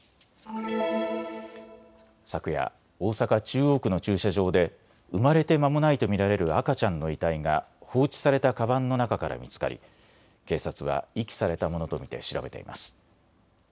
昨夜、大阪中央区の駐車場で生まれてまもないと見られる赤ちゃんの遺体が放置されたかばんの中から見つかり警察は遺棄されたものと見て調べています。